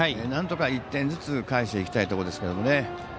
なんとか１点ずつ返していきたいところですけどね。